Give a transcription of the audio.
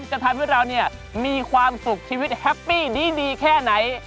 จะทำให้เราเนี่ยมีความสุขชีวิตแฮปปี้ดีแค่ไหน